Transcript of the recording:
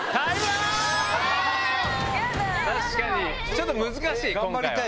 ちょっと難しい今回は。